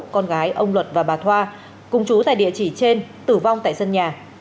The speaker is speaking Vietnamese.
con gái ông luật và bà thoa cùng chú tại địa chỉ trên tử vong tại sân nhà